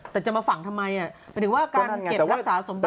แต่จะมาฝังทำไมเป็นหรือว่าการเก็บรักษาสมบัติ